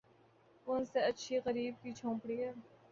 ان سے اچھی غریبِ کی جھونپڑی ہے